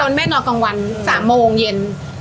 แม่นอนกลางวัน๓โมงเย็น